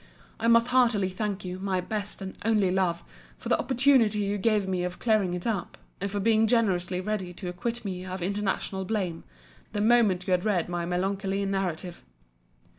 I most heartily thank you, my best and only love, for the opportunity you gave me of clearing it up; and for being generously ready to acquit me of intentional blame, the moment you had read my melancholy narrative.